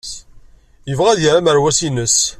Yebɣa ad yerr amerwas-nnes.